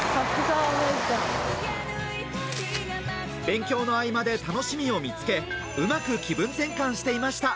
勉強の合間で楽しみを見つけ、うまく気分転換していました。